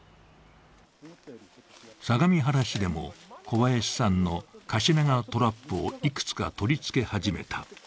相模原市でも小林さんのカシナガトラップをいくつか取り付け始めた。